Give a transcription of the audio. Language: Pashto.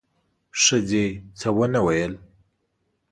ښځې څه ونه ویل: